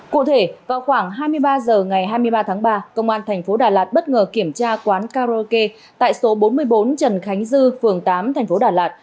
cụ thể vào khoảng hai mươi ba h ngày hai mươi ba tháng ba công an thành phố đà lạt bất ngờ kiểm tra quán karaoke tại số bốn mươi bốn trần khánh dư phường tám tp đà lạt